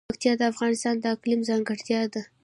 پکتیکا د افغانستان د اقلیم ځانګړتیا ده.